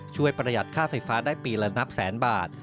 ประหยัดค่าไฟฟ้าได้ปีละนับแสนบาท